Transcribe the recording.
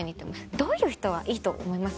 どういう人がいいと思います？